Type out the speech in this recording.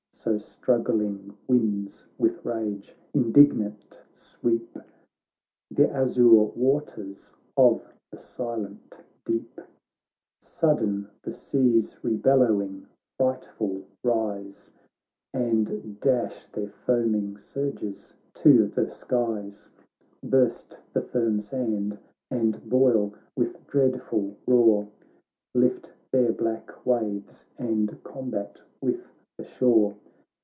So struggling winds with rage indignant sweep The azure waters of the silent deep, THE BATTLE OF MARATHON Sudden the seas rebellowing, frightful rise, And dash their foaming surges to the skies ; Burst the firm sand, and boil with dread ful roar, Lift their black waves, and combat with the shore.